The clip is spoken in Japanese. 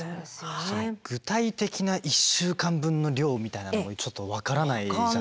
具体的な１週間分の量みたいなのもちょっと分からないじゃないですか。